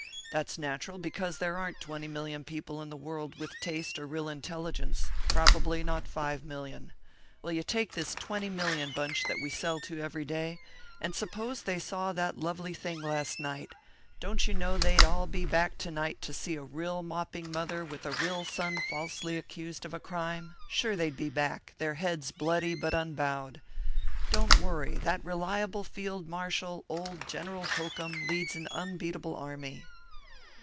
That's natural because there aren't twenty million people in the world with taste or real intelligence probably not five million. Well, you take this twenty million bunch that we sell to every day, and suppose they saw that lovely thing last night don't you know they'd all be back to night to see a real mopping mother with a real son falsely accused of crime sure they'd be back, their heads bloody but unbowed. Don't worry; that reliable field marshal, old General Hokum, leads an unbeatable army."